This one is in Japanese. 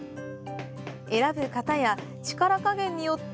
選ぶ型や力加減によって